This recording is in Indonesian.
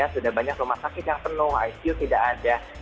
sudah banyak rumah sakit yang penuh icu tidak ada